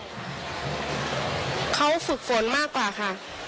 ไม่นะคะก็เขาฝึกฝนมากกว่าค่ะ